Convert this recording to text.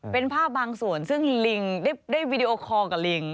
เป็นภาพบางส่วนซึ่งลิงได้วีดีโอคอลกับลิง